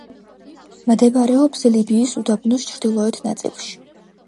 მდებარეობს ლიბიის უდაბნოს ჩრდილოეთ ნაწილში.